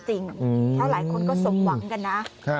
เพราะหลายคนก็สมหวังกันนะ